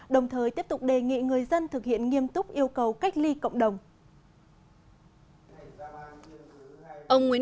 đồng thời tiếp tục đề nghị người dân thực hiện nghiêm túc yêu cầu cách ly cộng đồng